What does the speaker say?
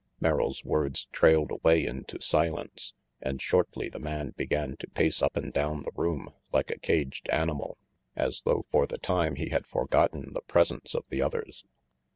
Merrill's words trailed away into silence, and shortly the man began to pace up and down the room like a caged animal, as though for the time he had forgotten the presence of the others.